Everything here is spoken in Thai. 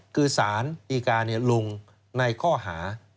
คือสารสาธิกาเนี่ยลงในข้อหา